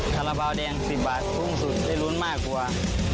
กระเป๋าแดง๑๐บาทพรุ่งสุดได้รุ้นมากกว่า